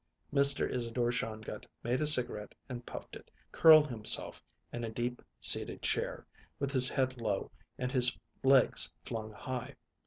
Mr. Isadore Shongut made a cigarette and puffed it, curled himself in a deep seated chair, with his head low and his legs flung high.